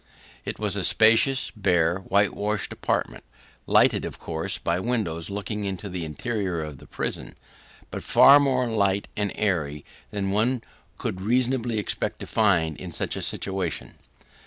It was a spacious, bare, whitewashed apartment, lighted, of course, by windows looking into the interior of the prison, but far more light and airy than one could reasonably expect to find in such a situation.